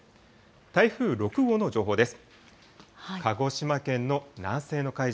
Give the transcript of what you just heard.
台風６号の情報です。